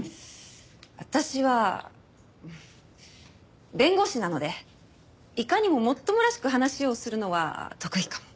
私は弁護士なのでいかにももっともらしく話をするのは得意かも。